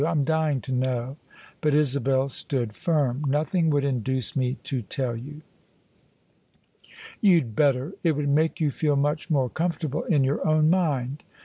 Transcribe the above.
I'm dying to know." But Isabel stood firm. " Nothing would induce me to tell you." "You'd better. It would make you feel much more comfortable in your own mind."